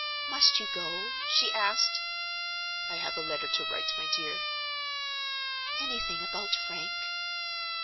"Must you go?" she asked. "I have a letter to write, my dear." "Anything about Frank?"